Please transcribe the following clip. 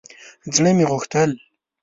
زړه مې غوښتل